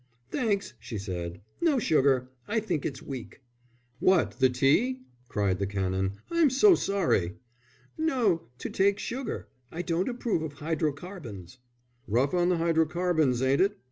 "Thanks," she said. "No sugar; I think it's weak." "What, the tea?" cried the Canon. "I'm so sorry." "No, to take sugar. I don't approve of hydrocarbons." "Rough on the hydrocarbons, ain't it?"